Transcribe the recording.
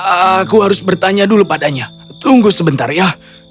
aku harus bertanya dulu padanya tunggu sebentar ya